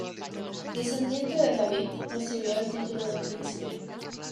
Descendiente de David, recibió el título de príncipe.